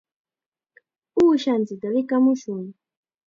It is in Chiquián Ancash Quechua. Uushanchikta rikamushun.